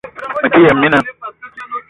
Mete yëm mina